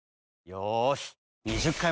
よし。